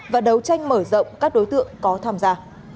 và đấu tranh mở rộng các đối tượng có tham gia